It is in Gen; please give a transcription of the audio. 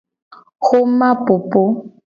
Woma popo.